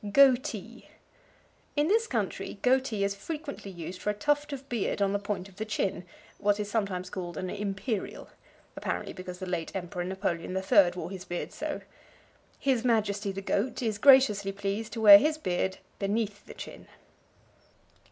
Goatee. In this country goatee is frequently used for a tuft of beard on the point of the chin what is sometimes called "an imperial," apparently because the late Emperor Napoleon III wore his beard so. His Majesty the Goat is graciously pleased to wear his beneath the chin.